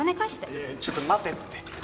いやいやちょっと待てって。